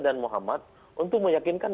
dan muhammad untuk meyakinkan